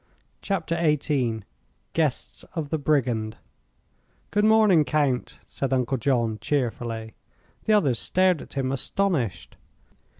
CHAPTER XVIII GUESTS OF THE BRIGAND "Good morning, Count," said Uncle John, cheerfully. The other stared at him astonished.